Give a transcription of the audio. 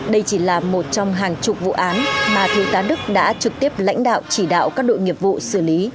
đây chỉ là một trong hàng chục vụ án mà thiếu tá đức đã trực tiếp lãnh đạo chỉ đạo các đội nghiệp vụ xử lý